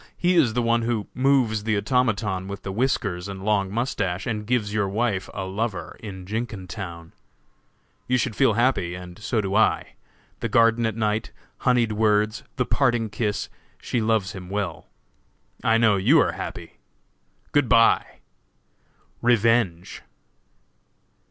He is the one who moves the automaton with the whiskers and long mustache, and gives your wife a lover in Jenkintown. "You should feel happy, and so do I. The garden at night; honeyed words; the parting kiss! She loves him well! I know you are happy! "Good bye! REVENGE!"